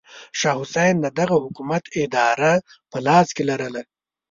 شاه حسین د دغه حکومت اداره په لاس کې لرله.